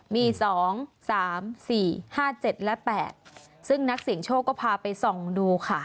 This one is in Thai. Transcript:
มีสองสามสี่ห้าเจ็ดและแปดซึ่งนักเสียงโชคก็พาไปส่องดูค่ะ